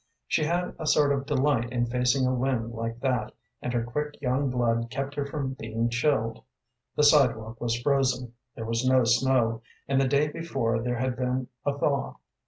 She had a sort of delight in facing a wind like that, and her quick young blood kept her from being chilled. The sidewalk was frozen. There was no snow, and the day before there had been a thaw.